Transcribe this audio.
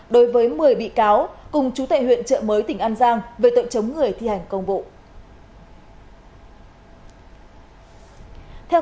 đối với một mươi bị cáo cùng chú tệ huyện trợ mới tỉnh an giang về tội chống người thi hành công vụ